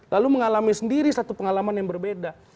lalu mengalami sendiri satu pengalaman yang berbeda